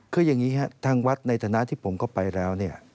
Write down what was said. คืออย่างนี้ครับทางวัดในฐานะที่ผมก็ไปแล้วเนี่ย